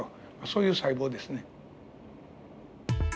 そういう細胞ですね。